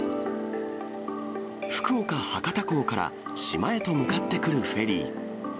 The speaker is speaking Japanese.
福岡・博多港から島へと向かってくるフェリー。